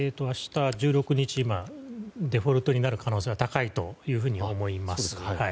明日、１６日デフォルトになる可能性が高いというふうに思います。